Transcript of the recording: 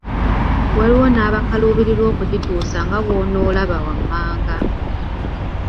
Waliwo n’abakaluubirirwa okugituusa nga bw’onoolaba wammanga.